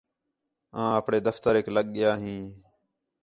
آں آپݨے دفتریک لڳ ڳیا ہین